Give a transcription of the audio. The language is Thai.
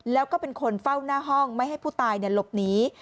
แล้วก็เป็นคนเฝ้าหน้าห้องไม่ให้ผู้ตายหลบหนี